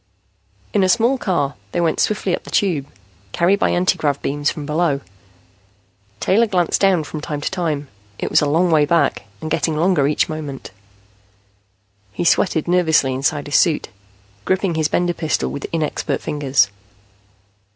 In a small car, they went swiftly up the Tube, carried by anti grav beams from below. Taylor glanced down from time to time. It was a long way back, and getting longer each moment. He sweated nervously inside his suit, gripping his Bender pistol with inexpert fingers.